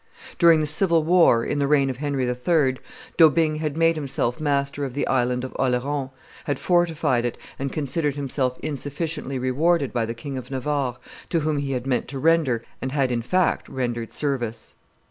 During the civil war, in the reign of Henry III., D'Aubigne had made himself master of the Island of Oleron, had fortified it, and considered himself insufficiently rewarded by the King of Navarre, to whom he had meant to render, and had, in fact, rendered service.